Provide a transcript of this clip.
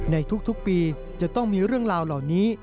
ในทุกปีจะต้องมีเรื่องราวเหล่านี้